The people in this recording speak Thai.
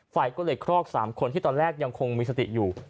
ไฟก็เลยคลอก๓คนที่ตอนแรกยังคงมีสติอยู่